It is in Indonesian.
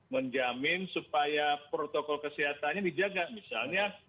menjamin supaya protokol kesehatannya dijaga misalnya